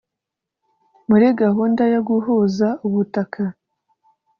muri gahunda yo guhuza ubutaka